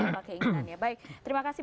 apa keinginannya baik terima kasih